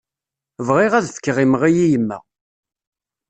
Bɣiɣ ad fkeɣ imɣi i yemma.